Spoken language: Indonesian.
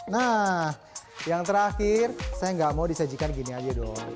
nah yang terakhir saya nggak mau disajikan gini aja dong